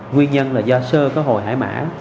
nguyên nhân là do sơ có hồi hải mã